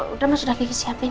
udah mas udah di siapin